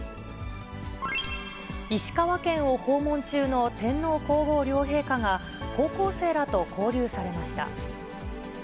石川県を訪問中の天皇皇后両陛下が、高校生らと交流されました。